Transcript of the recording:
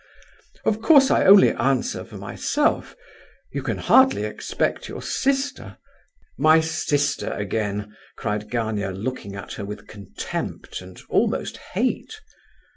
Of course I only answer for myself—you can hardly expect your sister—" "My sister again," cried Gania, looking at her with contempt and almost hate.